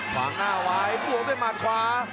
ขวางหน้าไว้บวกด้วยหมัดขวา